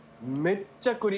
めっちゃ栗。